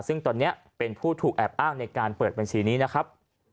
ซึ่งตอนนี้เป็นผู้ถูกแอบอ้างในการเปิดบัญชีนี้นะครับ